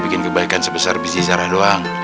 bikin kebaikan sebesar biji zahrah doang